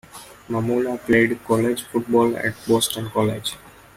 Mamula played college football at Boston College.